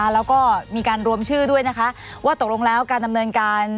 แล้วก็มีการรวมชื่อด้วยนะคะว่าตกลงแล้วการดำเนินการ